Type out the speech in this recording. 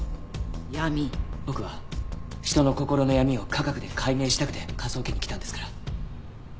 僕は人の心の闇を科学で解明したくて科捜研に来たんですから。